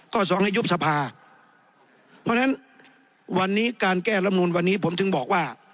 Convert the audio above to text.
สองให้ยุบสภาเพราะฉะนั้นวันนี้การแก้ลำนูนวันนี้ผมถึงบอกว่า